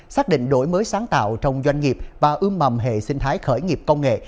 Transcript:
xác định đổi mới sáng tạo trong doanh nghiệp và ưm mầm hệ sinh thái khởi nghiệp công nghệ